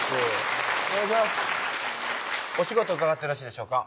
お仕事伺ってよろしいでしょうか？